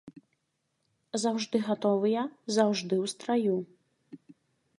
Заўжды гатовыя, заўжды ў страю.